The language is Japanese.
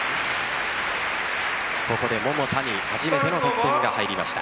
ここで桃田に初めての得点が入りました。